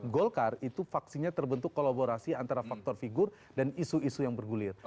golkar itu faksinya terbentuk kolaborasi antara faktor figur dan isu isu yang bergulir